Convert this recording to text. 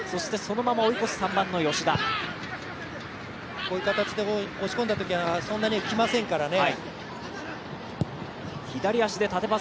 こういう形で押し込んだときにはそんなにきませんからね。